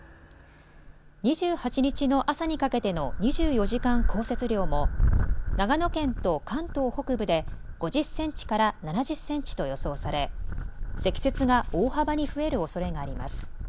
２８日の朝にかけての２４時間降雪量も長野県と関東北部で５０センチから７０センチと予想され積雪が大幅に増えるおそれがあります。